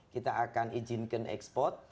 kita akan izinkan ekspor